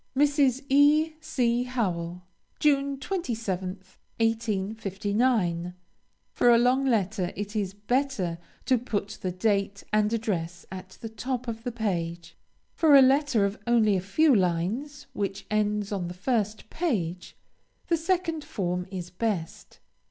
MRS. E. C. HOWELL. June 27th, 1859. For a long letter, it is better to put the date and address at the top of the page. For a letter of only a few lines, which ends on the first page, the second form is best.